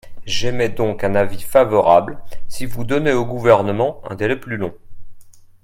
J’émets donc un avis favorable si vous donnez au Gouvernement un délai plus long.